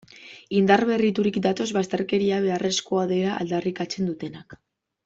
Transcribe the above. Indar berriturik datoz bazterkeria beharrezkoa dela aldarrikatzen dutenak.